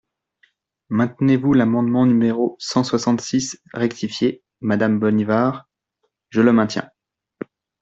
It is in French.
Maintenez-vous l’amendement numéro cent soixante-six rectifié, madame Bonnivard ? Je le maintiens.